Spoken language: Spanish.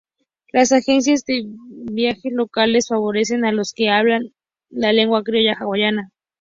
Las agencias de viajes locales favorecen a los que hablan la lengua criolla Hawaiana.